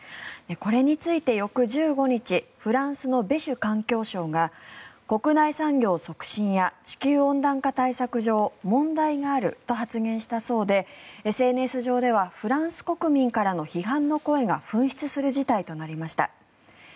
これについて翌１５日フランスのベシュ環境相が国内産業促進や地球温暖化対策上問題があると発言したそうでＳＮＳ上ではフランス国民からの批判の声が噴出する事態となりました。